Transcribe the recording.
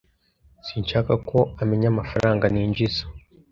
Sinshaka ko amenya amafaranga ninjiza.